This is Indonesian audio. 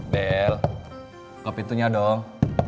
bel ke pintunya dong